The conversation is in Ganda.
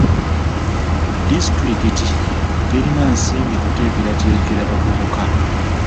Disitulikiti terina nsimbi kuteekateekera bavubuka.